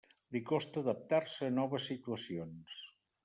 Li costa adaptar-se a noves situacions.